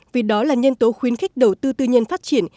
vì đó là nhân tố khuyến khích đầu tư tư nhân phát triển